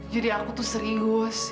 jodi aku tuh seringus